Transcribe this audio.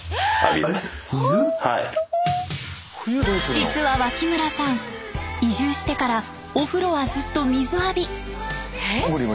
実は脇村さん移住してからお風呂はずっと水浴び。